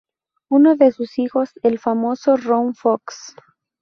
Uno de sus hijos el famoso Ron Fox.